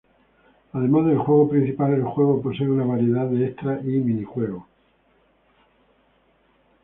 Además del juego principal el juego posee una variedad de extras y minijuegos.